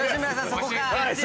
そこか。